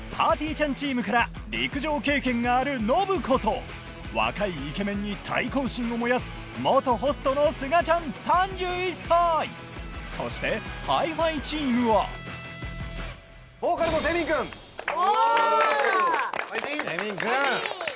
ちゃんチームから陸上経験がある信子と若いイケメンに対抗心を燃やす元ホストのすがちゃん３１歳そしてＨｉ−Ｆｉチームはボーカルのテミンくん・ファイティンテミンくん！